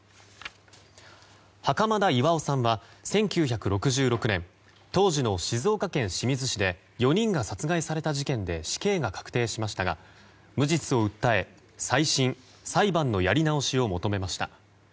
袴田巌さんは１９６６年当時の静岡県清水市で４人が殺害された事件で死刑が確定しましたが無実を訴え、再審裁判のやり直しを求めました。